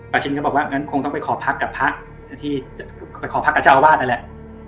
ชินก็บอกว่างั้นคงต้องไปขอพักกับพระที่ไปขอพักกับเจ้าอาวาสนั่นแหละ